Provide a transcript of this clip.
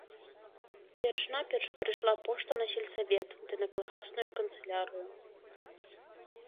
Перш-наперш прыйшла пошта на сельсавет ды на калгасную канцылярыю.